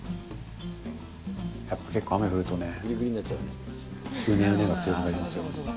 やっぱ結構雨降るとね、うねうねが強くなりますよ。